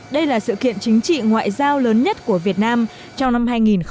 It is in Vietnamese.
đây là sự kiện chính trị ngoại giao lớn nhất của việt nam trong năm hai nghìn một mươi chín